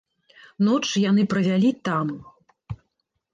Ноч яны правялі там.